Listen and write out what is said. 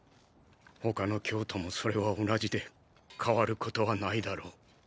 他の教徒もそれは同じで変わることはないだろう。